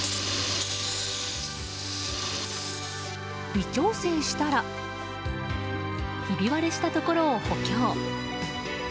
微調整したらひび割れしたところを補強。